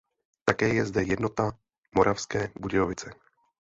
Také je zde Jednota Moravské Budějovice.